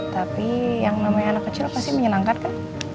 tapi yang namanya anak kecil pasti menyenangkan kan